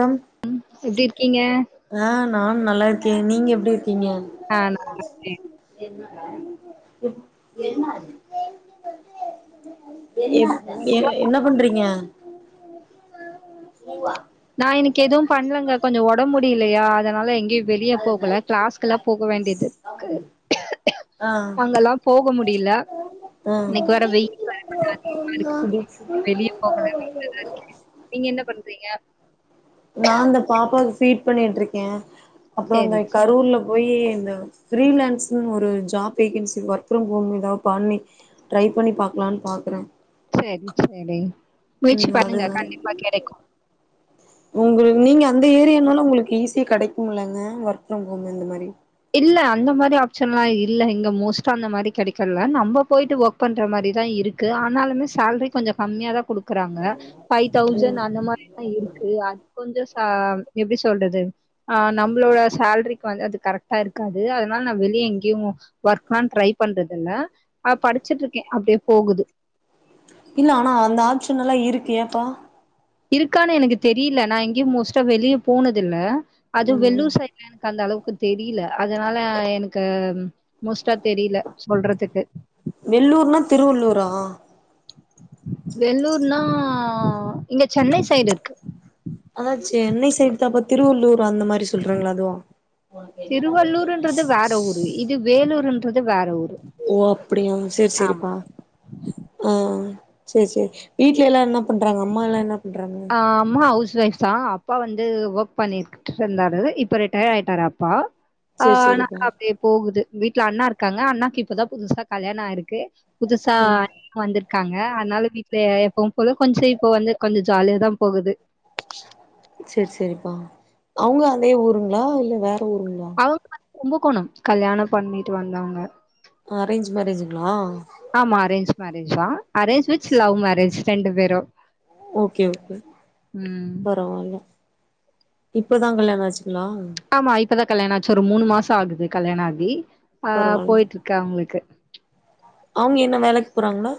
Come ம் எப்டிருக்கீங்க ஆ நான் நல்லா இருக்கே நீங்க எப்டிருக்கீங்க ஆ நல்லா இருக்கேன். என்னாது என் என் என்ன பண்றீங்க புவா நா இன்னைக்கு எதுவு பண்லங்க கொஞ்ச ஒடம் முடிய்லயா அதனால எங்கயு வெளிய போகல கிளாஸ்க்கெல்லா போக வேண்டியருக் ஆமா ஆ அங்கல்லாம் போக முடியல. ஆ [inaudible] இன்னைக்கு வேற வெயில் வேற கொஞ்சம் அதிகமா இருக்கு. வெளிய போகல வீட்ல தான். நீங்க என்ன பண்றீங்க நா இந்த பாப்பாவுக்கு ஃபீட் பண்ணிட்ருக்கே அப்றோ சரி, அந்த சரி. கரூர்ல போயி அ ப்ரீலான்ஸ்சிங்னு ஒரு ஜாப் வேகன்சி ஒர்க் ஃப்ரம் ஹோம்னு எதா பண்ணி ட்ரை பண்ணி பாக்லா ன் பாக்குறே செரி செரி முயற்சி ம் பண்ணுங்க அதுதா கண்டிப்பா கெடைக்கு உங்களுக்கு நீங்க அந்த ஏரியானால உங்களுக்கு ஈஸியா கெடைக்குமுலங்க ஒர்க் ஃப்ரம் ஹோமு இந்த மாரி இல்ல அந்த மாரி ஆப்ஷன்லா இல்ல இங்க மோஸ்ட்டா அந்த மாரி கெடைக்கல்ல நம்ப போயிட்டு ஒர்க் பண்ற மாரி தா இருக் க்கு ஆனாலுமே சேல்ரி கொஞ்ச கம்மியா தா குடுக் க்குறாங்க ஃபை தௌசண்ட் அந்த மாரிதா இருக்கு அ கொஞ்ச ச எப்டி சொல்றது ஆ நம்பளோட சேல்ரிக்கு வந்து அது கரெக் ஆ இருக்காது அதனால நா வெளியே எங்கேயு ஒர்க்லா ட்ரை பண்றது இல்ல ஆ படிச்சிட்ருக்கே அப் டியே போகுது இல்ல ஆனா அந்த ஆப்ஷன் எல்லா இருக்கு ஏப்பா இருக்கான்னு எனக்கு தெரியில நா எங்கியும் மோஸ்ட்டா வெளியே போனது இல்ல அது ம் வெள்ளூர் சைடுல எனக்கு அந்தளவுக் க்கு தெரியில அதனால எனக்கு மோஸ்ட்டா தெரியில சொல்றதுக்கு வெல்லூர்னா திருவள்ளூரா வெல்லூர்னா இங்க சென்னை சைடு இருக்கு அதா சென்னை சைடுதாப்பா திருவள்ளூர் அந்த மாரி சொல்றிங்களா அதுவா ன்றது வேற ஊர் ஓ அப்டியா செரி செரிப்பா ஆ செரி செரி வீட்ல எல்லா என்ன பண்றாங்க அம்மாலா என்ன பண்றாங்க ஆ அம்மா ஹவுஸ் ஒய்ஃப்தா அப்பா வந்து ஒர்க் பண்ணிட்ருந்தாரு இப்ப ரிட்டையராயிட்டாரு அப்பா ஆ சேரி நாள் சேரிப்பா அப்டியே போகுது வீட்ல அண்ணா இருக்காங்க அண்ணாக்கு இப்பதா புதுசா கல்யாண ஆயிருக்கு புதுசா ம் அண்ணி வந்துருக்காங்க அதனால வீட்ல எப்போவும் போல கொஞ்ச இப்போ வந்து கொஞ்ச ஜாலியாதா போகுது செரி செரிப்பா அவுங்க அதே ஊருங்களா இல்ல வேற ஊருங்களா அவங்க வந்து கும்பகோணம் கல்யாணம் பண்ணிட்டு வந்தவங்க அரேஞ்ச் மேரேஜுங்களா மேரேஜ்தா அரேஞ் வித் லவ் மேரேஜ் ரெண்டு பேரு ஓகே ஓகே பரவால்ல இப்பதா கல்யாண ஆச்சு லாங்க் இப்பதா கல்யாண ஆச்சு ஒரு மூணு மாசோ ஆகுது கல்யாண ஆகி ஆ போயிட்ருக்கு அவுங்களுக்கு அவுங்க என்ன வேலைக்கு போறாங்களா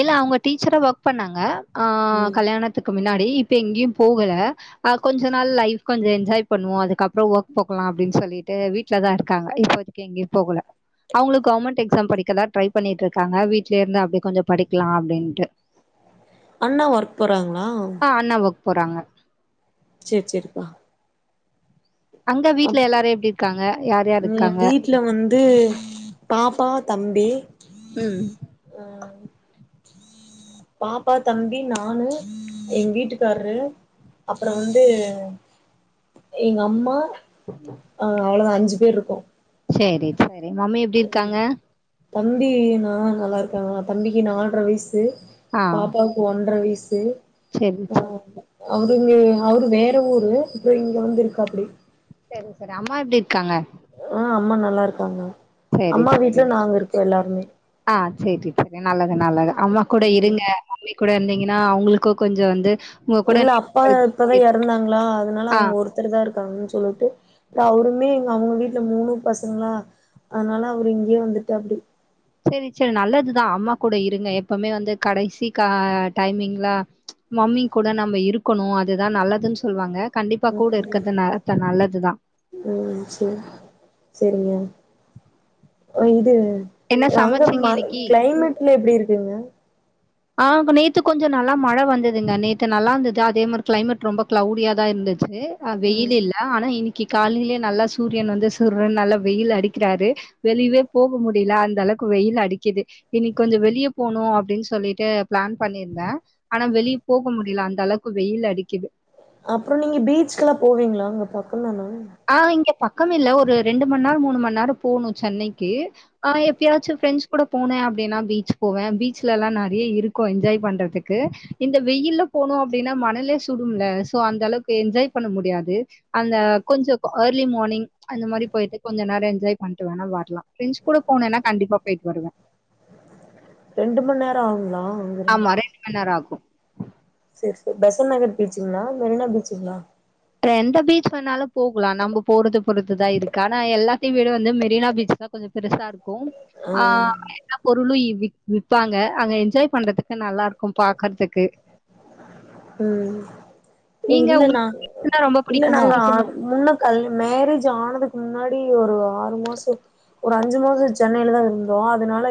இல்ல அவுங்க டீச்சரா ஒர்க் பண்ணாங்க ஆ ம் கல்யாணத்துக்கு முன்னா இப்ப எங்கயும் போகல ஆ கொஞ்ச நாள் லைஃப் கொஞ்ச என்ஜாய் பண்ணுவோ அதுக்கப்ற ஒர்க் போகலா அப்டின்னு சொல்லி சொல்லிட்டு வீட்லதா இருக்காங்க இப்போதைக்கு எங்கேயு போகல அவுங்களு கவுர்மென்ட் எக்ஸாம் படிக்கதா ட்ரை பண்ணிட்ருக்காங்க வீட்லயேருந்து அப்டி கொஞ்ச படிக்கலா அப்டின்ட்டு அண்ணா ஒர்க் போறாங்களா ஆ அண்ணா ஒர்க் போறாங்க செரி செரிப்பா அங்க வீட்ல அப் எல்லாரும் எப்டி இருக்காங்க யார் யார் நீ இருக்காங்க வீட்ல வந்து பாப்பா தம்பி ம் பாப்பா தம்பி நானு எங்க வீட்டுக்காரரு அப்பற வந்து எங்க அம்மா ஆ அவ்வளதா அஞ்சு பேர் இருக்கோம் சேரி சேரி மம்மி எப்டி இருக்காங்க தம்பி நா நல்லாருக்காங்க தம்பிக்கு நால்ர வயசு பாப்பாக்கு ஒன்ர வயசு செரி செரி அங்கிங்க அவுரு வேற ஊரு இப்ப இங்க வந்து இருக்காப்டி செரி செரி அம்மா எப்டி இருக்காங்க ஆ அம்மா நல்லாருக்காங்க சரி அம்மா வீட்ல நாங்க இருக்கோ எல்லாருமே செரி செரி நல்லது நல்லது அம்மா கூட ம் இருங்க மம்மி கூட இருந்தீங்கன்னா அவுங்களுக்கு கொஞ்ச வந்து உங்க கூட இல்ல அப்பா நேரம் இப்பதா கழிச்சு எறந்தாங்களா அதனால ஆ அவுங்க ஒருத்தருதா இருக்காங்கன்னு சொல்லிட்டு இது அவருமே அவுங்க வீட்ல மூணும் பசங்களா அதனால அவரு இங்கேயே வந்துட்டாப்டி செரி செரி நல்லதுதா அம்மா கூட இருங்க எப்போமே வந்து கடைசி க டைமிங்ல மம்மி கூட நம்ம இருக்கணும் அதுதா நல்லதுன் சொல்வாங்க கண்டிப்பா ம் கூடருக்கது நா நல்லதுதா சரிங்க இது என்ன அங்க சமைச்சீங்க ம இன்னைக்கி கிளைமேட்லா எப்டிருக்குங்க ஆ நேத்து கொஞ்ச நல்லா மழ வந்ததுங்க நேத்து நல்லாருந்தது அதே மாரி கிளைமேட் ரொம்ப கிளௌவ்டியாதா இருந்தது அ வெயிலுல்ல ஆனா இனி க்கி காலையிலே நல்லா சூரியன் வந்து சுருன் நல்ல வெயில் அடிக்கிறாரு வெளியவே போக முடியல அந்த அளவு க்கு வெயில் அடிக்குது இனி கொஞ்சோ வெளிய போனும் அப்டின்னு சொல்லி ட்டு ப்ளான் பண்ணிருந்தே ஆனா வெளிய போக முடியல அந்த அளவுக்கு வெயில் அடிக்குது அப்புறோ நீங்க பீச்கெல்லா போவீங்களா அங்க பக்கந்தானா ஆ இங்க‌ ப பக்கமில்ல ஒரு ரெண்டு மண் நேரோ மூணு மண் நேரோ போணு சென்னைக்கு ஆ எப்பயாச்சும் ஃப்ரெண்ட்ஸ் கூட போனே னா பீச் போவே பீச்ல எல்லா நறைய இருக்கும் என்ஜாய் பண்றதுக்கு இந்த வெயில்ல போனோ அப்டின்னா மணலே சுடும்ல சோ அந்த அளவுக்கு என்ஜாய் பண்ண முடியாது அந்த கொஞ்சோ ஏர்லி மார்னிங அந்த மாரி போயிட்டு கொஞ்ச நேரோ என்ஜாய் பண்டு வேணா வரலா ஃப்ரெண்ஸ் கூட போனா கண்டி ப்பா போயிட்டு வருவேன் ரெண்டு மண் நேரோ ஆகுங்களா ஆமா ரெண்டு மண் நேரோ ஆகும் செரி சர் பெசன்ட் நகர் பீச்சுஙங்களா மெரினா பீச்சுங்களா எந்த பீச் வேனாலு போகலா நம்ம போறது பொறுத்துதா இருக்கு ஆனா எல்லாத்தையு வீட வந்து மெரினா பீச் கொஞ்சோ பெருசா இருக்கும் ஆ என்ன பொருளும் விக் விப்பாங்க அங்க என்ஜாய் பண்றதுக்கு நல்லா இருக்கும் பாக்கறதுக்கு ம் நீங்க இல்ல நா உங்களுக்கு பீச்னா ரொம்ப இல்ல பிடிக்குமோ? நாங்க முன்ன கல் மேரேஜ் ஆனதுக்கு முன்னாடி ஒரு ஆறு மாசோ ஒரு அஞ்சு மாசொ சென்னையிலதா இருந்தோ அதனால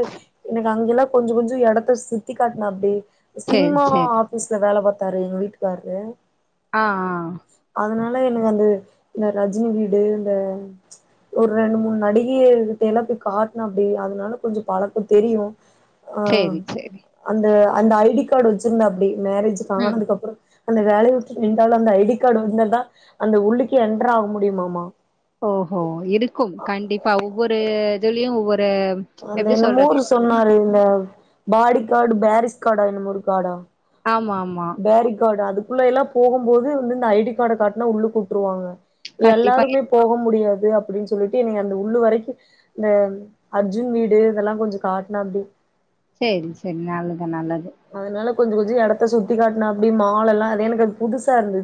எனக்கு அங்கெல்லா கொஞ்சோ கொஞ்ச எடத்த சுத் த்தி காட்னா அப்டி சரி, சினிமா சரி. ஆபீஸ்ல வேலை பாத்தாரு எங்க வீட்டுக்காரு ஆ, ஆ. அதனால எனக்கு வந்து இந்த ரஜினி வீடு இந்த ஒரு ரெண்டு மூணு நடிகையல் கிட்டேலா போய் காட்னு அப்டி அதனால கொஞ்சோ பழக்கோ தெரியும் அ சரி, சரி. அந்த அந்த ஐடி கார்டு வச்சிருந்த அப்டி மேரே ம். ஜானதுக்கு அப்றொ அந்த வேலைய வுட்டு நின்டாலும் அந்த ஐடி கார்டு வந்த தா அந்த உள்ளுக்கு என்டர் ஆக முடியுமாமா ஓஹோ இருக்கும் கண்டிப்பா ஒவ்வொரு இதுலியு ஒவ்வொர் அந்த என்னமோரு சொன்னாரு இந்த பாடி கார்டு பேரிஸ் கார்டா என்னமோ ஒரு கார்டா ஆமாமா. பேரி கார்டு அதுக் குள்ள எல்லா போகும்போது வந்து இந்த ஐடி கார்ட காார்ட்னா உள்ளு கூட்டுருவாங்க கண்டிப்பா. எல்லாருமே போக முடியாது அப்டினு சொல்லிட்டு என்னைய அந்த உள்ளு வரைக்கும் இந்த அர்ஜுன் வீடு இதெல்லா கொஞ்சோ காட்னா அப்டி செரி சரி நல்லது நல்ல அதனால கொஞ்சோ கொஞ்சோ எடத்த சுத்தி காட்னா அப்டி மால் எல்லா அது எனக்கு அது புதுசா இருந்து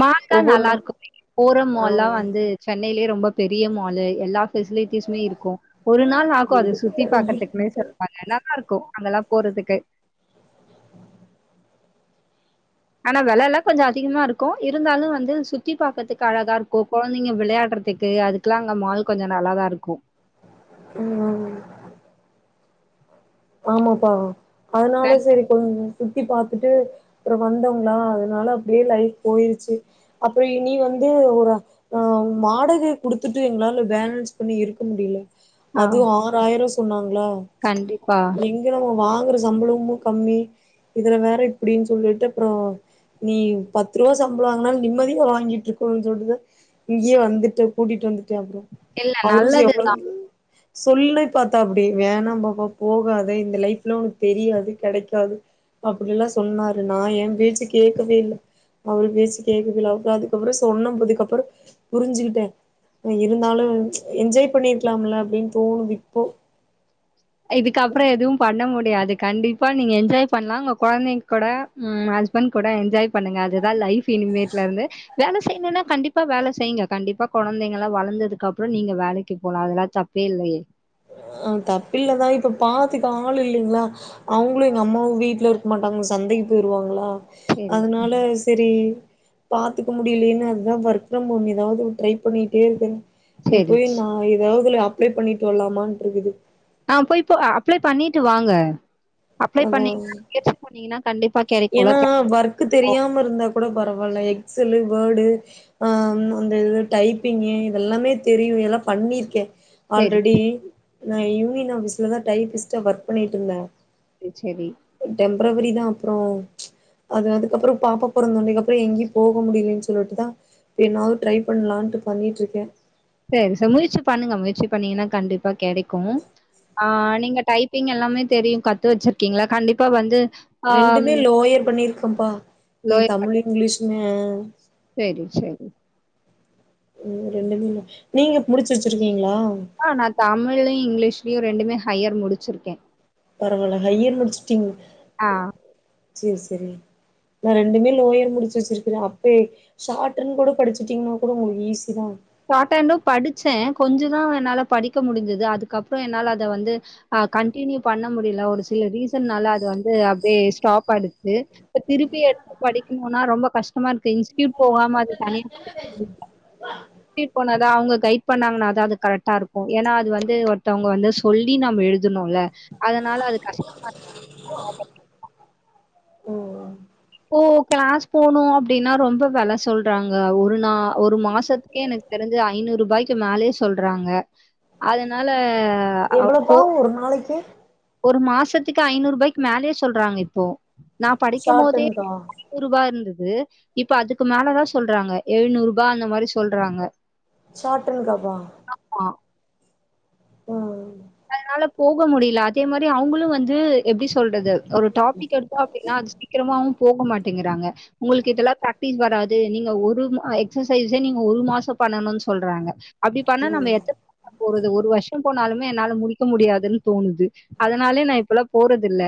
மால் தா நல்லா இருக்கும் ஃபோர்ரோ ஆ மால்லா வந்து சென்னையிலே ரொம்ப பெரிய மாலு எல்லா பெசிலிட்டிஸ்மே இருக்கும் ஒரு நாள் ஆகும் அது சுத்தி பாக்கறதுக்குமே சொல்லுவாங்க நல்லாதா இருக்கும் அங்கெல்லா போற துக்கு ஆனா வெல எல்லா கொஞ்ச அதிகமா இருக்கும் இருந்தாலும் வந்து சுத்தி பாக்கதுக்கு அழகா இருக்கும் கொழந்தைங்க விளையாட றதுக்கு அதுக்கெல்லா அங்க மால் கொஞ்சோ நல்லாதா இருக்கும் ம் ஆமாப்பா அதனால கண் சரி கொன் சுத்தி பாத்துட்டு அப்புறோ வந்தோம்ங்களா அதனால அப்டியே லைஃப் போயிருச்சு அப்புற இனி வந் து ஒரு அ மாடகை குடுத்துட்டு எங்களால பேலன்ஸ் பண்ணி இருக்க முடியல ஆ அது ஆறாயிரோ சொன்னாங்க கண்டிப்பா இப்ப நம்மோ வாங்குற சம்பளமு கம்மி இதுல வேற இப்டின் சொல்லிட்டு அப்றோ நீ பத்து ரூபா சம்பளவாங்குனாலு நிம்மதியா வாங்கிட்டு இருக்கோ சொல்லுத இங்கேயே வந்துட்டு கூட்டிட்டு வந்துட்டே அப்றோ இல்ல அவுரு செ நல்லது எவ்ளோ சொல்லி பாத்தா அப்டி வேணா பாப்பா போகாத இந்த லைஃப்லா ஒனக்கு தெரியாது கெடைக்காது அப்டியெல்லா சொன்னாரு நா ஏன் பேச்சு கேக்கவே இல்ல அவுரு பேச்சு கேக்குதுல அப்றோ அதுக்கப்றோ சொன்னபதுக்கப்பறோ புரிஞ்சுகிட்டே இருந்தாலு என்ஜாய் பண்ணிருக்கலாம்ல அப்டின் தோணுது இப்போ இதுக்கப்றோ எதுவு பண்ண முடியாது கண்டிப்பா நீங்க என்ஜாய் பண்ணலா உங்க கொழந்தைங்க கூட ம் அதுக் ஹஸ்பண்ட் கூட என்ஜாய் பண்ணுங்க அதுதா லைஃப் இனிமேட்லேருந்து வேல செய்ணுன்னா கண்டிப்பா வேல செய்யுங்க கண்டிப்பா கொழந்தைங்கள்ளா வளந்ததுக்கு அப்றோ நீங்க வேலக்கு போலா அதெல்லா தப் பே இல்லயே ஆ தப்பில்ல தா இப்ப பாத்துக்க ஆள் இல்லைங்களா அவுங்களு எங்க அம்மாவு வீட்ல இருக்க மாட்டாங்க ச ந்தைக்கு போயிருவாங்களா சேரி அதனால செரி பாத்துக்க முடியலேன்னு அதுதா ஒர்க் ஃப்ரம் ஹோ ஏதாவுது ட்ரை பண்ணிட்டே இருக்கேங்க இன்னக்கி சேரி போய் நா ஏதாவுதுல அப்ளே பண்ணீட்டு வரலாமான்ட்டு இருக்குது ஆ போய் போ அப்ளே பண்ணீட்டு வாங்க அப்ளே அதான் பண்ணீங்கன்னா முயற்சி பண்ணீங்கன்னா கண்டிப்பா கெடைக்குல்ல ஏன்னா கெடைக்கு ஒர்க் தெரியாம இருந்தா கூட பரவால்ல எக்ஸெலு வெர்டு ஆ அந்த இது டைப்பிங்கு இதெல்லாமே தெரியு இதெல்லா பண்ணிருக்கே சேரி ஆல்ரெடி நா யூனியன் ஆபீஸ்லா தா டைப்பிஸ்ட்டா ஒர்க் பண்ணிட்டு இருந்தே ம் செரி டெம்ப்ரவரி தா அப்றோ அது அதுக்கப்றோ பாப்பா பொறந்தொன்னைக்கு அப்றோ எங்கயு போக முடியலன்னு சொல்லீட்டுதா என்னாவது ட்ரை பண்ணலான்ட்டு பண்ணீட்டுருக்கே செரி சா முயற்சி பண்ணுங்க முயற்சி பண்ணீங்கன்னா கண்டிப்பா கெடைக்கு ஆ நீங்க டைப்பிங் எல்லாமே தெரியு கத்து வச்சிருக்கீங்கள்ள கண்டிப்பா வந்து ஆ ரெண்டுமே லோயர் பண்ணிருக்கேப்பா இ தமிழ் இங்கிலீஷுமே செரி செரி ம் ரெண்டுமே முடிச்சி நீங்க முடிச்சி வச்சிருக்கீங்களா ஆ நா தமிழ்லயு இங்கிலீஷ்லயு ரெண்டுமே ஹையர் முடிச்சிருக்கே பரவால்ல ஹையர் முடிச்சிட்டீங்க ஆ செரி செரி நா ரெண்டுமே லோயர் முடிச்சி வச்சிருக்கிறே அப்பே ஷார்ட்ன்னு கூட படிச்சிட்டீங்கன்னா கூட உங்களுக்கு ஈஸி தா ஷார்ட்ஹாண்டு படிச்சே கொஞ்சோதா என்னால படிக்க முடிஞ்சது அதுக்கப்றோ என்னால அத வந்து ஆ கண்டினியூ பண்ண முடியில ஒரு சில ரீசன்னால அது வந்து அப்டியே ஸ்டாப் ஆயிடுச்சி இப்ப திருப்பி திருப்பி எடுத்து படிக்கணுன்னா ரொம்ப கஷ் டமா இருக்கு இன்ஸ்டியூட் போகாம அது தனியா கத்துக்க முடியாது இன்ஸ்டியூட் போனதா அவுங்க கைடு பண்ணாங்கன்னா தா அது கரெக்டா இருக்கு ஏன்னா அது வந்து ஒருத்தவங்க வந்து சொல்லி நம்ம எழு தனுல அதனால அது கஷ்டமா இருக்கு தனியா படிக்கணுன்னா ம் இப்போ கிளாஸ் போனு அப்டின்னா ரொம்ப வெல சொல்றாங்க ஒரு நா ஒரு மாசத்துக்கே எனக்கு தெரிஞ்சி ஐநூரூபாய்க்கு மேலயே சொல்றாங்க அதனால அப்போ எவ்ளோப்பா ஒரு நாளைக்கி ஒரு மாசத்துக்கு ஐநூரூபாய்க்கி மேலயே சொல்றாங்க இப்போ நா படிக்கமோதே ஷார்ட்டன்க்கா ஐநூரூபா இருந்து து இப்ப அதுக்கு மேலதா சொல்றாங்க எழுநூரூபா அந்த மாரி சொல்றாங்க ஷார்ட்டன்னுகாப்பா ஆ. ம் ம் [inaudible] போக முடியில அதே மாரி அவுங்களு வந்து எப்டி சொல்றது ஒரு டாப்பிக் எடுத்தா அப்டின்னா அது சீக்கிரமாவு போக மாட்டேங்கிறாங்க உங்களுக்கு இதெல்லா பிராக்டிஸ் வராது நீங்க ஒரு மா எக்சசைஸே நீங்க ஒரு மாசோ பண்ணணுன்னு சொல்றாங்க அப்டி பண்ண நம்ம ம் எத்தன வர்ஷோ போறது ஒரு வர்ஷோ போனாலுமே என்னால முடிக்க முடியாதுன்னு தோணுது அதனாலயே நா இப்பெல்லா போறதில்ல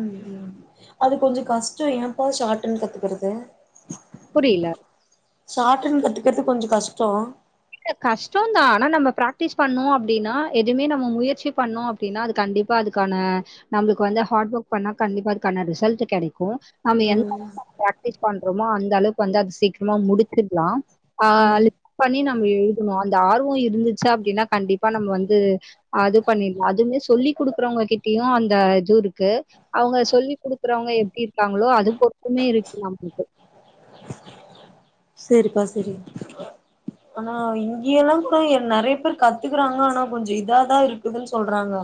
ம் ம் அது கொஞ்சோ கஷ்டோ ஏ பா ஷாட்டன் கத்துக்குறது புரியல. ஷாட்டன் கத்துக்கிறது கொஞ்சோ கஷ்டோ இல்ல கஷ்டம் தான். ஆனா நம்ம பிராக்டிஸ் பண்ணோ அப்டினா எதுமே நம்ம முயற்சி பண்ணோ அப்டினா அது கண்டிப்பா அதுக்கான நம்முளுக் வந் த ஹாட் ஒர்க் பண்ணா கண்டிப்பா அதுக்கான ரிசல்ட் கெடைக் க்கு நம்ம எந்த ம் அளவுக்கு வந்து பிராக்டிஸ் பண்றோமோ அந்த அளவுக் வந்து அது சீக்கிரமா முடிச்சிட்லா ம் ஆலு பண்ணினா அங்க எழுதுனு அந்த ஆர்வொ இர்ந்துச்சா அப்டினா கண்டிப்பா நம் வந்து அது பண்ணிட்லா அதுமே சொல்லி குடுக்கறவ்ங்க கிட்யு அந்த இது இருக்கு அவுங்க சொல்லி் குடுக்குறவ்ங்க எப்டி இருக்காங்ளோ அது பொர்த்துன் மே இருக்கு நம்ப்ளுக்கு செரிப்பா செரி அனா இங்கியெல்லா கூட எ நெறைய பேர் கத்துகுறாங்க ஆனா கொஞ்ச இதாதா இருக்குதுன் சொல்றாங்க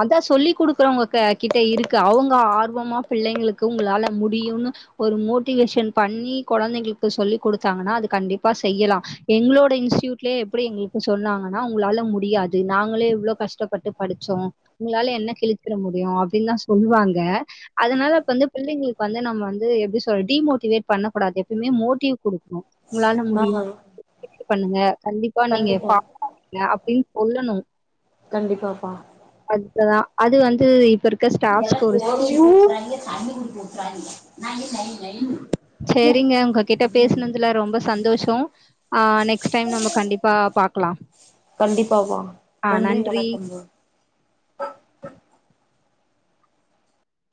அதா சொல்லி குடுக்குறவுங்க க கிட்ட இருக்கு அவுங்க ஆர்வமா பிள்ளைங்களுக்கு உங்ளால முடியுனு ஒரு மோட்டிவேஷன் பண்ணி கொழந்தைங்ளுப்ப சொல்லி் குடுத்தாங்கனா அது கண்டிப்பா செய்யலா எங்ளோடயி இன்டியூட்டிலியே எப்பிடி எங்களுக்கு சொன்னாங்கனா உங்களால முடியாது நாங்களே இவ்ளோ கஷ்டப்பட்டு படிச்சோ உங்களால என்ன கிழிச்சிர முடியு அப்டின்தா சொல்வாங்க அதனால அப்ப வந்து பிள்ளைங்களுக் வந்து நம்ம வந்து எப்டி சொல் டிமோட்டிவேட் பண்ண கூடாது எப்பமே மோட்டிவ் குடுக்ணு உங்களால ஆ முடியு பண்ணுங்க கண்டிப்பா நீங்க பா அப்பின் கொல்லணு கண்டிப்பா பா லதா அது வந்து இப்பரு எல தேவை [inaudible] யூ தண்ணி குடிக்க உட்றாதிங்க நை நை நைனு சரிங்க உங்ககிட்ட பேசுனதுல ரொம்ப சந்தோஷ ஆ நெக்ஸ்ட் டைம் நம்ம கண்டிப்பா பாக்கலா கண்டிப்பா மா நன்றி வணக்கம்மா